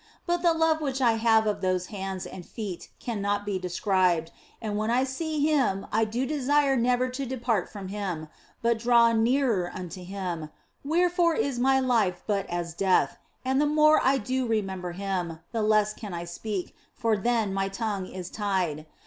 But the joy which I have of 1 86 THE BLESSED ANGELA those hands and feet cannot be described, and when I see Him I do desire never to depart from Him, but draw nearer unto Him, wherefore is my life but as death, and the more I do remember Him, the less can I speak, for then iny tongue is tied.